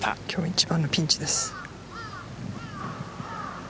今日一番のピンチです。